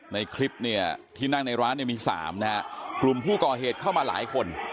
ในคลิปเนี่ยที่นั่งในร้านเนี่ยมี๓นะฮะกลุ่มผู้ก่อเหตุเข้ามาหลายคน